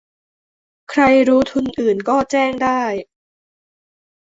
ใครรู้ทุนอื่นก็แจ้งได้